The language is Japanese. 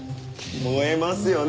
燃えますよね？